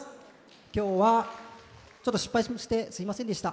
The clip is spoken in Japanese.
今日はちょっと失敗しましてすいませんでした。